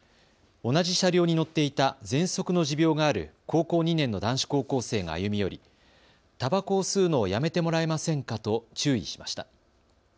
同じ車両に乗っていたぜんそくの持病がある高校２年の男子高校生が歩み寄りたばこを吸うのをやめてもらえませんかと注意しました。